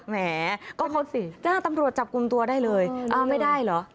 แหมก็ตำรวจจับกุมตัวได้เลยไม่ได้เหรอ